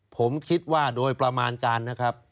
ผมคิดว่าโดยประมาณการนะครับ